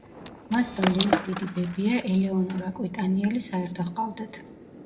მას და ლუის დიდი ბებია, ელეონორ აკვიტანიელი საერთო ჰყავდათ.